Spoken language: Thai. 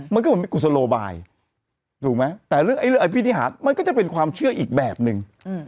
มันก็เหมือนเป็นกุศโลบายถูกไหมแต่เรื่องอภินิหารมันก็จะเป็นความเชื่ออีกแบบนึง